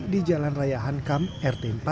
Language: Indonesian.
di jalan raya hankam rt empat